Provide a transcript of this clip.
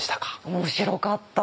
面白かった。